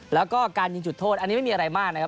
แล้วก็การยิงจุดโทษอันนี้ไม่มีอะไรมากนะครับ